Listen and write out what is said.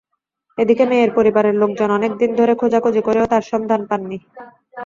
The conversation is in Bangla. এদিকে মেয়ের পরিবারের লোকজন অনেক দিন ধরে খোঁজাখুঁজি করেও তার সন্ধান পাননি।